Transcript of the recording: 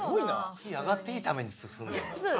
火上がっていいために住んでるんだ。